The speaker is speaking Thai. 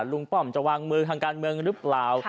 ป้อมจะวางมือทางการเมืองหรือเปล่า